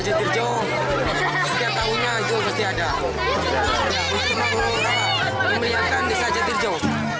jadi kita mau melihatkan bisa jatuh jauh